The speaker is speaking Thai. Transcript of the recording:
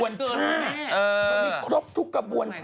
มันมีครบทุกกระบวน๕